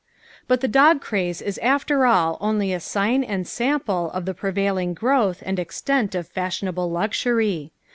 But the dog craze is after all only a sign and sample of the prevailing growth and extent of fashionable luxury.